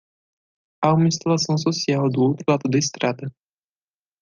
Há uma instalação social do outro lado da estrada.